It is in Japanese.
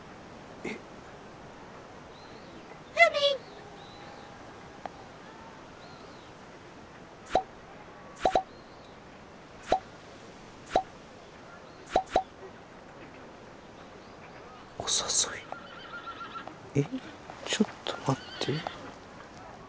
えっちょっと待って。